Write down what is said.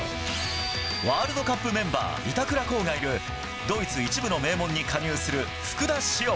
ワールドカップメンバー、板倉滉がいるドイツ１部の名門に加入する福田師王。